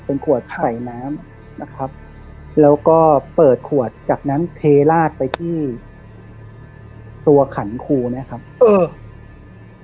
เป็นขวดใส่น้ำนะครับแล้วก็เปิดขวดจากนั้นเทลาดไปที่ตัวขันครูนะครับเออ